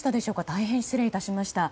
大変失礼致しました。